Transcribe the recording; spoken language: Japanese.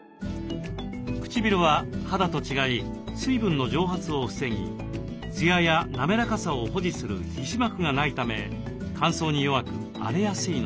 唇は肌と違い水分の蒸発を防ぎツヤや滑らかさを保持する皮脂膜がないため乾燥に弱く荒れやすいのです。